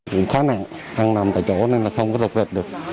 cũng khó nặng ăn nằm tại chỗ nên là không có rực rệt được